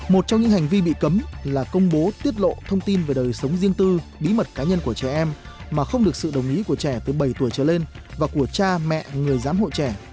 một trong những hành vi bị cấm là công bố tiết lộ thông tin về đời sống riêng tư bí mật cá nhân của trẻ em mà không được sự đồng ý của trẻ từ bảy tuổi trở lên và của cha mẹ người giám hộ trẻ